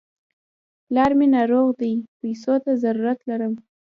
پلار مې ناروغ دی، پيسو ته ضرورت لرم.